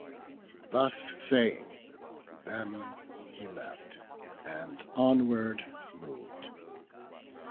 Thus saying, them he left, and onward mov'd.